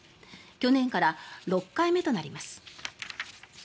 去年から６回目となります。